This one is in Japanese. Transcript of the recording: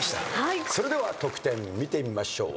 それでは得点見てみましょう。